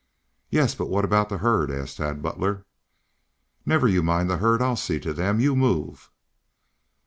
"Yes, but what about the herd?" asked Tad Butler. "Never you mind the herd. I'll see to them. You move!"